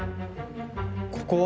ここは？